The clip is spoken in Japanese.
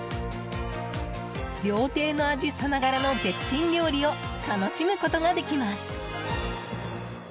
料亭の味さながらの絶品料理を楽しむことができます。